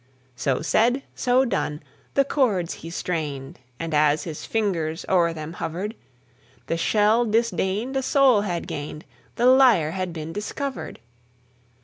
So said, so done; the chords he strained, And, as his fingers o'er them hovered, The shell disdained a soul had gained, The lyre had been discovered.